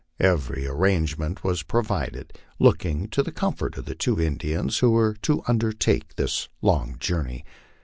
Every arrangement was provided, looking to the comfort of the two Indians who were to undertake this long journey.